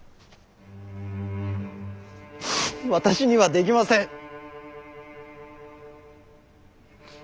私にはできません。